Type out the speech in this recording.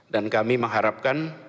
dan kami mengharapkan